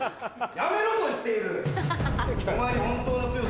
やめろと言っている！